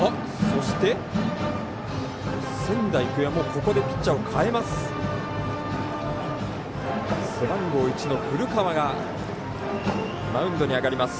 そしてここでピッチャーを代えます。